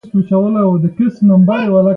د فصل د ودې لپاره تودوخه، رطوبت او رڼا ضروري دي.